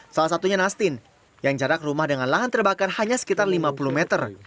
salah satunya nastin yang jarak rumah dengan lahan terbakar hanya sekitar lima puluh meter